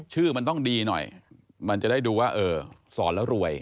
ชื่อมันต้องดีหน่อยมันจะได้ดูว่าเออสอนแล้วรวย